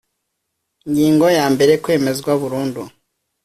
Ingingo ya mbere Kwemezwa burundu